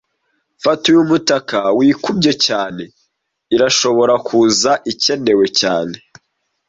Fata uyu mutaka wikubye cyane Irashobora kuza ikenewe cyane